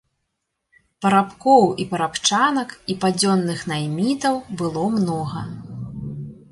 Парабкоў і парабчанак і падзённых наймітаў было многа.